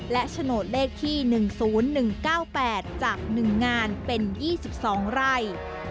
และโฉนดเลขที่๑๐๑๙๘จาก๑งานเป็น๒๒ไร่